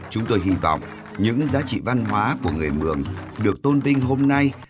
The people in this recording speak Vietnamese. chúng tôi hy vọng những giá trị văn hóa của người mường được tôn vinh hôm nay